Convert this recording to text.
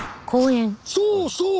そうそう！